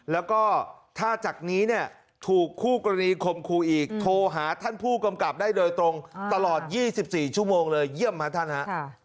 แล้วก็ถ้าจากนี้เนี่ยถูกคู่กรณีคมครูอีกโทรหาท่านผู้กำกับได้โดยตรงตลอด๒๔ชั่วโมงเลยเยี่ยมฮะท่านฮะ